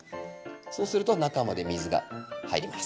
そうすると中まで水が入ります。